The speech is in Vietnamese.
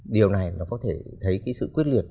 điều này nó có thể thấy cái sự quyết liệt